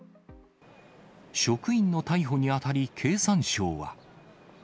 職員の逮捕にあたり、経産省は。